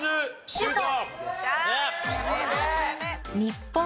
シュート！